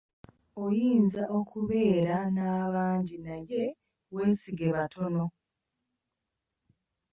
Oyinza okubeera n'abangi naye weesige batono.